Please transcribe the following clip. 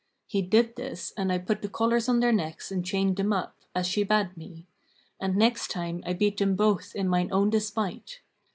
He did this and I put the collars on their necks and chained them up, as she bade me; and next night I beat them both in mine own despite.